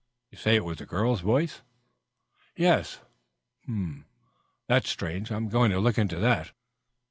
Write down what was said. You say it was a girl's voice?" "Yes." "That's strange. I'm going to look into that."